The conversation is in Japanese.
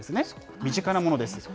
身近なものです。